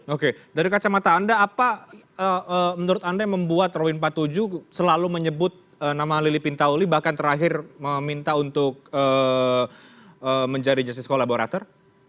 oke dari kacamata anda apa menurut anda yang membuat rowin empat puluh tujuh selalu menyebut nama lili pintauli bahkan terakhir meminta untuk menjadi justice collaborator